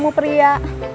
sama temen pria